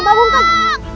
bapak ibu tolong